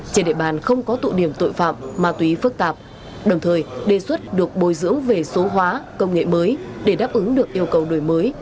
trên địa bàn không có tụ điểm tội phạm ma túy phức tạp đồng thời đề xuất được bồi dưỡng về số hóa công nghệ mới để đáp ứng được yêu cầu đổi mới